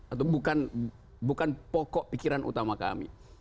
atau bukan pokok pikiran utama kami